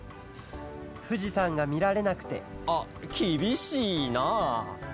ふじさんがみられなくてあっきびしいな！